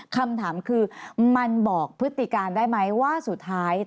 คำถามคือมันบอกพฤติการได้ไหมว่าสุดท้าย